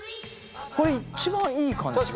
これ一番いい感じ。